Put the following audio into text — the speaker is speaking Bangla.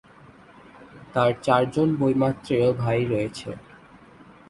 তার চারজন বৈমাত্রেয় ভাই রয়েছে।